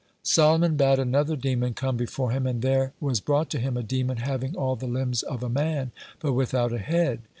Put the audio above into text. Solomon bade another demon come before him. And there was brought to him a demon having all the limbs of a man, but without a head.